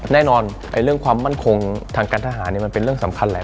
แน่นอนเรื่องความมั่นคงทางการทหารมันเป็นเรื่องสำคัญแหละ